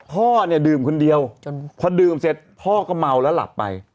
พ่อเนี่ยดื่มคนเดียวพอดื่มเสร็จพ่อก็เมาแล้วหลับไป